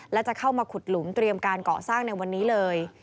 และจะเข้ามาขุดหลุมเตรียมการเกาะสร้างในวันนี้เลย